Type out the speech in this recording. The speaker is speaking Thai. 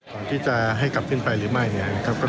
ก่อนที่จะให้กลับขึ้นไปหรือไม่เนี่ยนะครับ